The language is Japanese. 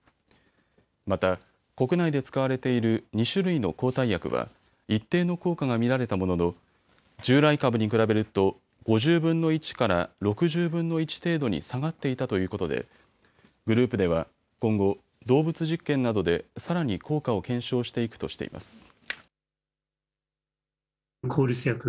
また、国内で使われている２種類の抗体薬は一定の効果が見られたものの従来株に比べると５０分の１から６０分の１程度に下がっていたということでグループでは今後、動物実験などでさらに効果を検証していくとしています。